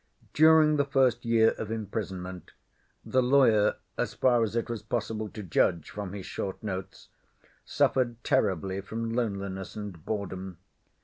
During the first year of imprisonment, the lawyer, as far as it was possible to judge from his short notes, suffered terribly from loneliness and boredom.